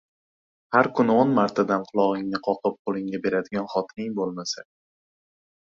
Har kuni o‘n martadan qulog‘ingni qoqib qo‘lingga beradigan xotining bo‘lmasa